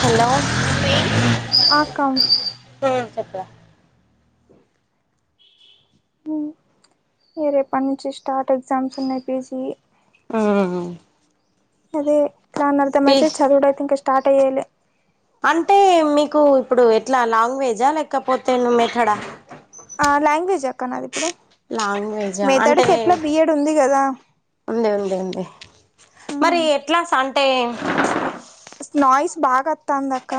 Hello ఆ అక్క హ్ చెప్పురా హ్ రేపటి నుంచి స్టార్ట్ ఎగ్జామ్స్ ఉన్నాయి పీజి ఆ అదే ప్రానార్థం అయితే చదువుడు అయితే ఇంకా స్టార్ట్ చేయ్యలే అంటే మీకు ఇప్పుడు ఎట్లా లాంగ్వేజా లేకపోతే ను మెథడా ఆ లాంగ్వేజ్ ఆక్క నాది ఇప్పుడు లాంగ్వేజా అంటే మేతాడికి ఎట్లా బి ఎడ్ ఉంది కదా ఉంది ఉంది ఉంది మరి ఎట్లా స అంటే నాయిస్ బాగాత్తందక్క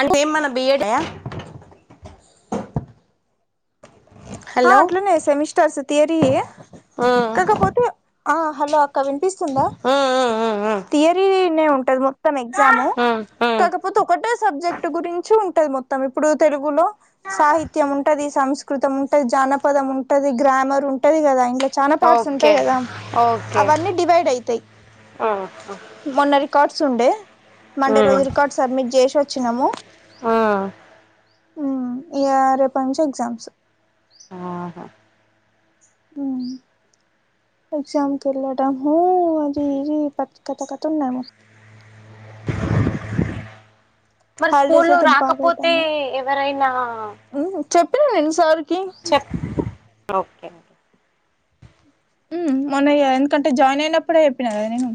అంటే ఏమన్నా బి ఏడ్ యా ఆ హలో అట్లనే సెమిస్టర్స్ థియరీ హ్మ్ కాకపోతే ఆ హలో అక్క వినిపిస్తుందా హ్మ్ హ్మ్ హ్మ్ థియరీనే ఉం మొత్తం ఎగ్జాము హ్మ్ హ్మ్ కాకపోతే ఒకటే సబ్జెక్ట్ గురించి ఉం టది మొత్తం ఇప్పుడు తెలుగులో సాహిత్యం ఉంటది సంస్కృతం ఉం జాపదం ఉంటది గ్రామర్ ఉంటది కదా ఇండ్ల చానా పార్ట్స్ ఓకే ఉంటాయి కదా అవన్నీ డివైడ్ అయితాయి ఆ అక్క చుండే మండే రోజు రికార్డ్ సబ్మిట్ చేసి వోచ్చినాము హ్మ్ హ్ ఇగ రేపటి నుంచి ఎగ్జామ్స్ ఆహా హ్ ఎగ్జామ్ కు ఎల్లడం హు అది ఇది కథకత ఉన్నాది మొ మరి హాలిడేస్ స్కూల్లో అయితే నువ్వు బాగా రాకపోతే అయిపోయినాయి ఎవరైనా చెప్పిన [unintelligible] సార్ చెప్ ఓకే అండి మొన్న ఇగ ఎందుకంటే జాయిన్ అయినప్పుడు ఇప్పుడే చెప్పిన కదా నేను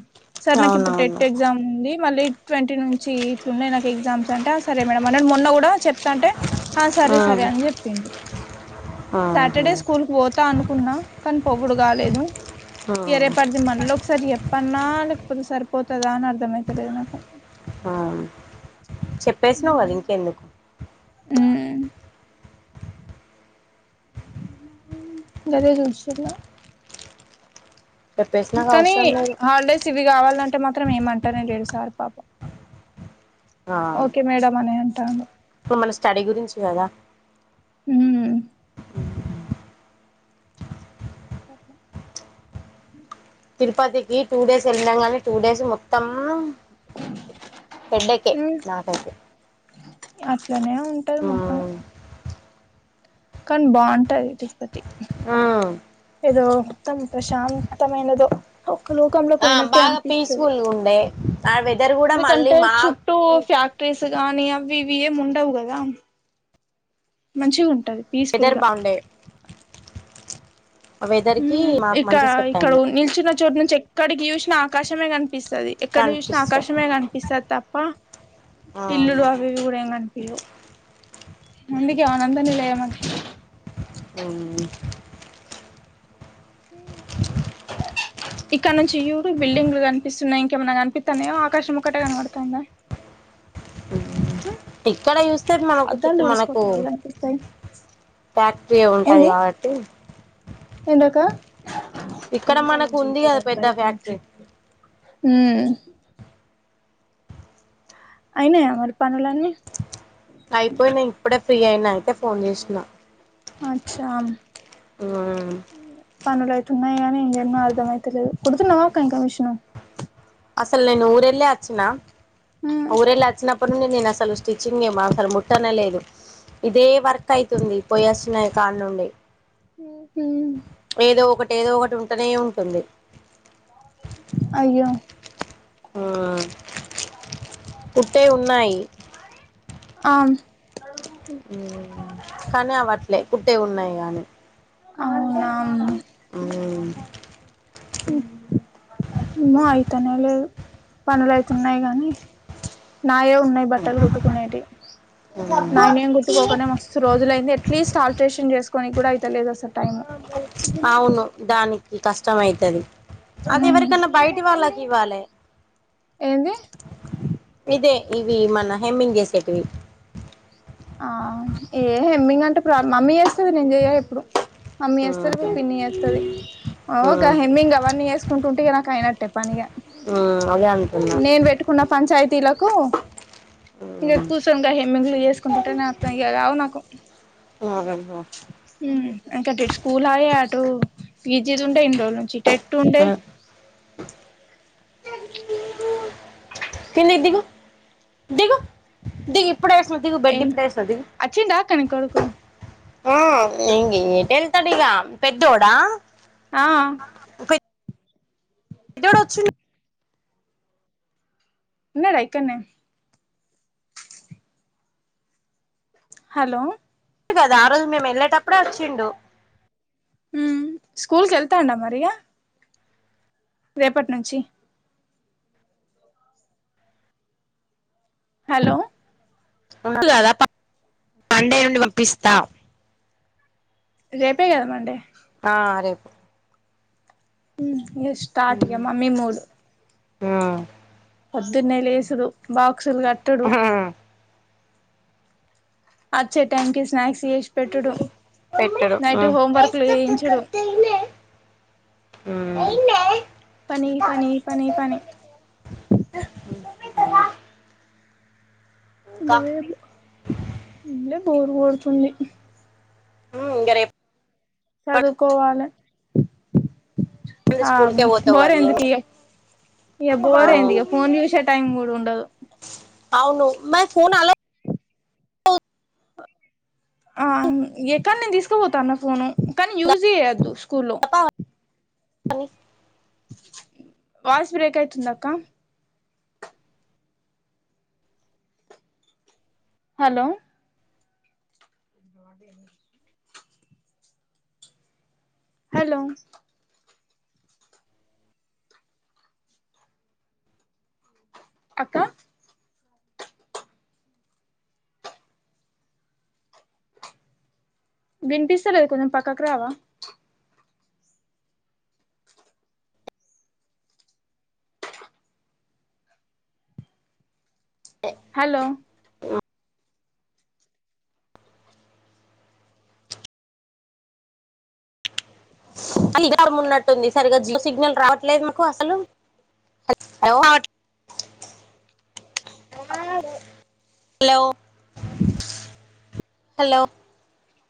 సార్ నాకు ఇప్పుడు అవునవును టెట్ ఎగ్జామ్ ఉంది మళ్ళీ ట్వంటీ నుంచి ఇట్లున్నాయి నాకు ఎగ్జామ్స్ అంట సరే మేడం అన్నాడు మొన్న కూడా చెప్తాంటే సరే సరే హ్మ్ అని చెప్పిండు ఆహా సాటర్డే స్కూల్ కు పోతా అనుకున్నా కానీ పో రాలేదు ఆ ఇగ రేపడిది మల్ల ఒకసారి చెప్పన్నా లేకపోతే సరిపోతదా అని అర్థమయతాలేదు నాకు ఆ చెప్పేసినవు కదా ఇంకెందుకు హ్ గాదె చూస్తున్న చెప్పేసినాక కాని అవసరం లేదు హాలిడేస్ ఇవి కావాలం అంటే మాత్రం ఏమంటానే లేదు సార్ పాపం ఆ ఓకే మేడం అని అంటాడు ఇప్పుడు మన స్టడీ గురించి కదా హ్మ్. గట్ల తిరుపతికి టూ డేస్ వెళ్ళినం గానీ టూ డేస్ మొత్తం హెడేక్ హ్మ్. నాకైతే అట్లనే ఉంటాది మొత్తం మ్మ్ కానీ బాంటది తిరుపతి మ్మ్ ఏదో ప్రశాంతమైనదో ఒ లోకంలోకి ఆ పోయినట్టే బాగా అనిపిస్తది పీస్ఫుల్గా ఉండే ఆ వెదర్ కూడా మళ్ళీ ఎందుకంటే చుట్టూ మాకు ఫ్యాక్టరీ సిగానీ అవి ఇవి ఏ ముండవుగదా మంచిగ ఉంటది వెదర్ పీస్ఫుల్గా బాగుండే ఆ వెదర్ కి ఉమ్ మాకు ఇక్క మంచిగా సెట్ ఇక్కడ అయింది నిల్చిన చోటు నుంచి ఎక్కడికి చూసినా ఆకాశమే కన్ కనిపిస్తది ఇట్లా ఎక్కడ చూసినా అనిపిస్తాం ఆకాశమే కనిపిస్తది తప్ప అవును ఇల్లులు అవి ఇవి కూడా ఏ కనిపి అయ్యో ఆనంద నిలయము అ ఇక్కడ నుంచి యూడు బిల్డింగ్లు కనిపిస్తున్నాయి ఇంకేమన్న కనిపిత్తన్నాయో ఆకాశం ఒక్కటే కనబడుతాందా ఇక్కడ చూస్తే మనకు అద్దాలు చుట్టూ తుడుసుకో మనకు తల్లి కనిపిస్తాయి ఫ్యాక్టరీ ఉంటది కాబట్టి ఎంటకా ఇక్కడ మనకు ఉంది కదా పెద్ద ఫ్యాక్టరీ హ్మ్ అయినాయ మరి పనులన్నీ అయిపోయినై ఇప్పుడే ఫ్రీ అయినా అయితే ఫోన్ చేసిన అచ్చా ఆ పనులయతున్నాయి గాని ఇంగేన్నో అర్థం అయితలెదు కుడుతున్నావా అక్క ఇంక మిషను అసలు నేను ఊర వెళ్ళే వచ్చిన ఉమ్ ఊరెళ్ళి వచ్చినప్పుడు నుండి నేను అసలు స్టిచ్చింగ్ ఏమ అసలు ముట్టనలేదు ఇదే వర్క్ అయితుంది పోయేస్తున్నాయి కానుండి హు ఏదో ఒకటి ఉంటనే ఉంటుంది అయ్యో ఆహా కుట్టే ఉన్నాయ్ అన్ కానీ అవ్వట్లే అవునా ఏమో అయితనే లేదు పనులు అయితున్నాయి కానీ నాయే ఉన్నాయి బట్టలు కుట్టుకునేటి నాయనేన్ గుట్టుకోకనే మస్తు రోజుల అయింది అట్లీస్ట్ ఆల్ట్రేషన్ చేసుకోనికి కూడా అయితేలేదుస అవును దానికి కష్టమ అయిద్ది అది ఉమ్ ఎవరికన్నా బయటి వాళ్ళకి ఇవ్వాలి ఏంది అదే ఇవి మన హెమింగ్ చేసేటివి ఆ ఏ హెమ్మీంగ్ అంటే మమ్మీ చేస్తది నేను చెయ్య ఎప్పుడు మమ్మీ వేస్తది ఉహు పిన్ని ఎత్తది ఓగా ఉహు హెమ్మింగ్ అవన్నీ వేసుకుంటుంటే నాకు అయినట్ పనిగా ఉ అదే అంటున్నా నేను పెట్టుకున్న పంచాయతీలకు ఇంకా కూసకా హెమ్మెంగ్లు వేసుకుంటంట ఇగ గావు నాకు ఉ అంకట స్కూల్ ఆయ విజిదు ఉంటే ఇన్నిరోజుల నుంచి టెట్టుంటే కిీంది దిగు దిగు దిగు ఇప్పుడే సుదికి బెడ్ ఏం ఇప్పుడే ఏసిన దిగు అచ్చిండా అక్క నీ కొడుకు ఆ ఇం ఎటు ఎల్తడుతడిగా పెద్దోడా ఆ పెద్దోడు వచ్చిండు ఉన్నడా ఇక్కన్నే హలో కదా ఆ రోజు మేము ఎళ్ళేటప్పుడే అచ్చిండు ఉమ్ స్కూల్ కెళ్తాండా మరిగా రేపటి నుంచి హలో మండే నుండి పంపిస్తాం రేపే కదా మండే ఆ రేపు ఎస్ స్టార్ట్ ఇగ మమ్మీ మూడ్ ఆ పొద్దున్నే లేసుడు, బాక్సులు కట్టడు అచ్చే టైంకి స్నాక్స్ చేసి పెట్టుడు, పెట్టడు నైటు హోం వర్క్లు చేయించుడు ఉమ్ పని పని పని పని ఇంకా బోరు కొడుతుంది ఉమ్ ఇంగ రేప్ చదువుకోవాలే నుండి ఆ స్కూల్ కే పోతావు కదా ఏం బోరెందుకియే ఇగ బోరు ఏందిగా ఫోన్లు చూసే టైం గుడ ఉండదు అవును మరి ఫోన్ అల్లో ఆ ఎక్కడ నేను తీసుకుపోతాన్న ఫోను కనీ యూజ్ చేయ్యద్దు స్కూల్లో వాయిస్ బ్రేక్ అయితుందక్క హలో [unintelligible] హలో అక్క వినిపిస్తలేదు కొంచెం పక్కకు రావా హలో అని ఇగర మున్నట్టుంది సరిగా జియో సిగ్నల్ రావట్లేదు మాకు అసలు అయ్యో రావట్ లో హలో